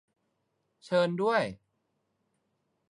- เชิญด้วย